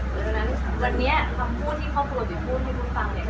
เพราะฉะนั้นวันนี้คำพูดที่ครอบครัวเดี๋ยวพูดให้คุณฟังเนี่ย